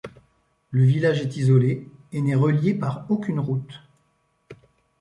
Le village est isolé et n'est relié par aucune route.